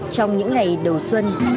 trong những ngày đầu xuân